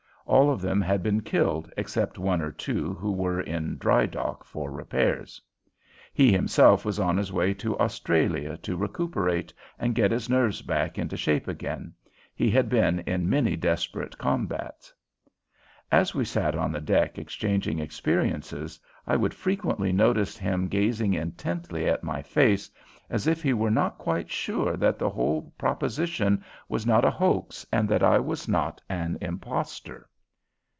All of them had been killed except one or two who were in dry dock for repairs. He himself was on his way to Australia to recuperate and get his nerves back into shape again. He had been in many desperate combats. As we sat on the deck exchanging experiences I would frequently notice him gazing intently in my face as if he were not quite sure that the whole proposition was not a hoax and that I was not an impostor.